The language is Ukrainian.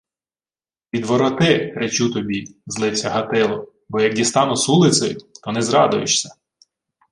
— Відвороти, речу тобі! — злився Гатило. — Бо як дістану сулицею, то не зрадуєшся.